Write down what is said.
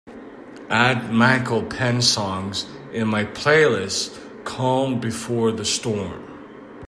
add Michael Penn songs in my playlist Calm before the storm